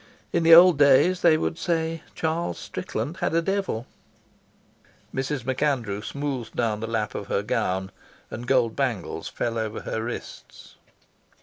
In the old days they would say Charles Strickland had a devil." Mrs. MacAndrew smoothed down the lap of her gown, and gold bangles fell over her wrists.